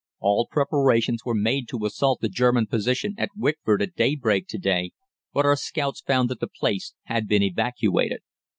All preparations were made to assault the German position at Wickford at daybreak to day, but our scouts found that the place had been evacuated.